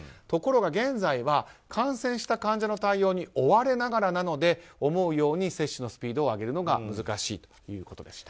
ところが現在は感染した患者の対応に追われながらなので思うように接種のスピードを上げるのが難しいという話。